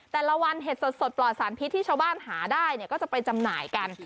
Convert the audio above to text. แต่ละวันเห็ดสดปลอดสารพิษที่ชาวบ้านหาได้เนี่ยก็จะไปจำหน่ายกัน